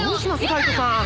カイトさん。